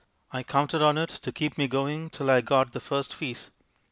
I counted on it to keep me going till I got the first fees.